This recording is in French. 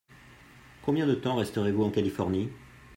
Combien de temps resterez-vous en Californie ?